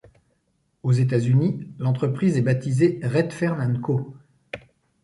Aux États-Unis l'entreprise est baptisée Redfern & Co.